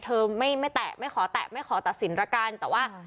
เธอไม่แตะไม่ขอแตะไม่ขอตัดสินแล้วกันแต่ว่า